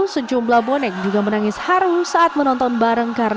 sejumlah bonek juga menangis haru saat menonton bareng